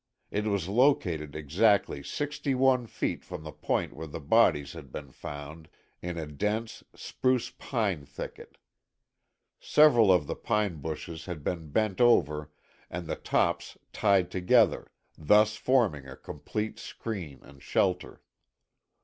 It was located exactly sixty one feet from the point where the bodies had been found, in a dense spruce pine thicket. Several of the pine bushes had been bent over and the tops tied together, thus forming a complete screen and shelter.